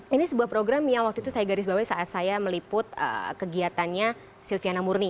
ini sebuah program yang waktu itu saya garis bawah saat saya meliput kegiatannya silviana murni